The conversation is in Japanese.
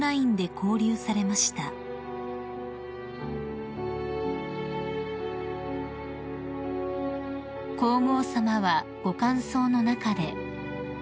［皇后さまはご感想の中で］